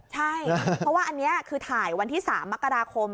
ใช่เพราะว่าอันนี้คือถ่ายวันที่๓มกราคม